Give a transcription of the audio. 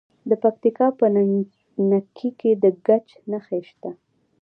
د پکتیکا په نکې کې د ګچ نښې شته.